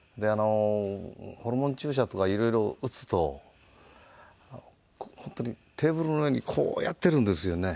ホルモン注射とかいろいろ打つと本当にテーブルの上にこうやってるんですよね。